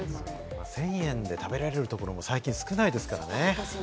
１０００円で食べられるところも最近少ないですからね。